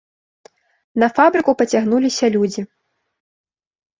На фабрыку пацягнуліся людзі.